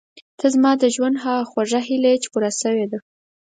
ته زما د ژوند هغه خوږه هیله یې چې پوره شوې ده.